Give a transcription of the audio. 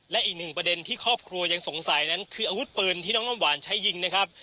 และอีกหนึ่งประเด็นที่ครอบครัวยังสงสัยนั้นคืออาวุธปืนที่น้องน้ำหวานใช้ยิงนะครับ